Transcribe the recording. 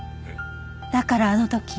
だからあの時。